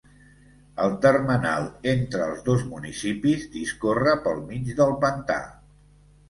El termenal entre els dos municipis discorre pel mig del pantà.